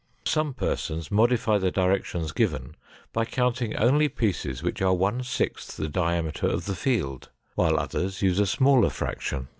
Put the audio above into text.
Some persons modify the directions given by counting only pieces which are one sixth the diameter of the field, while others use a smaller fraction.